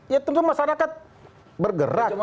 ya tentu masyarakat bergerak